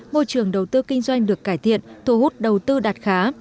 môi trường đầu tư kinh doanh được cải thiện thu hút đầu tư đạt khá